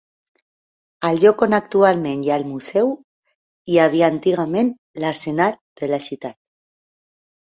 Al lloc on actualment hi ha el museu hi havia antigament l'arsenal de la ciutat.